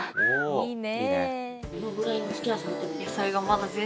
いいね。